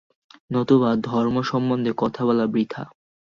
নতুবা ধর্মসম্বন্ধে কথা বলা বৃথা।